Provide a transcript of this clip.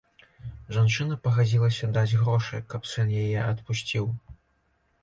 Жанчына пагадзілася даць грошы, каб сын яе адпусціў.